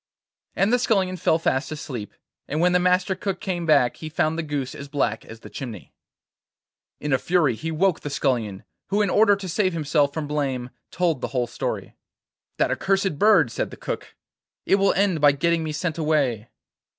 And the Scullion fell fast asleep, and when the Master Cook came back he found the goose as black as the chimney. In a fury he woke the Scullion, who in order to save himself from blame told the whole story. 'That accursed bird,' said the Cook; 'it will end by getting me sent away.